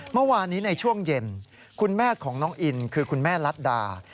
เมื่อวานนี้ในช่วงเย็นคุณแม่ของน้องอินคือคุณแม่รัฐดา